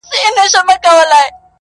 مُلا په ولاحول زموږ له کوره وو شړلی!.